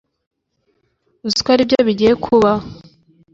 Uzi ko aribyo bigiye kuba